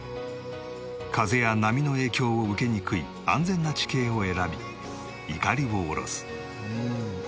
風や波の影響を受けにくい安全な地形を選びいかりを下ろす。